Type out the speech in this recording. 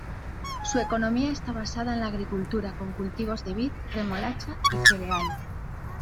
Su economía está basada en la agricultura con cultivos de vid, remolacha y cereal.